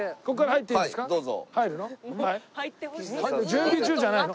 準備中じゃないの？